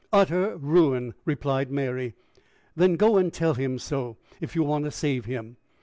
"Utter ruin," replied Mary. "Then go and tell him so, if you want to save him."